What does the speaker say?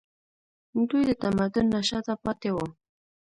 دوی د تمدن نه شاته پاتې وو